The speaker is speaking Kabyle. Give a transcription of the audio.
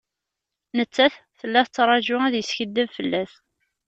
Nettat, tella tettraǧu ad yeskiddeb fell-as.